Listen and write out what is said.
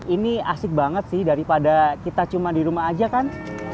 ini asik banget sih daripada kita cuma di rumah aja kan